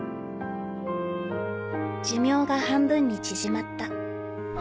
「寿命が半分に縮まった」。